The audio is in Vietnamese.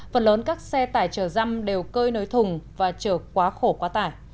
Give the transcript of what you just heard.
phần lớn các xe tải chở răm đều cơi nối thùng và chở quá khổ quá tải